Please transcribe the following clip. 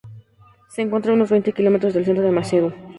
Se encuentra a unos veinte kilómetros del centro de Maseru.